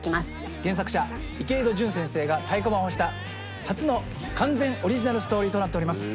原作者池井戸潤先生が太鼓判を押した初の完全オリジナルストーリーとなっております。